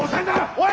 おい！